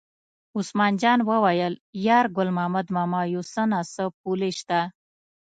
عثمان جان وویل: یار ګلداد ماما یو څه نه څه پولې شته.